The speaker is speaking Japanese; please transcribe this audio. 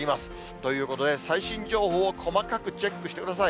ということで、最新情報を細かくチェックしてください。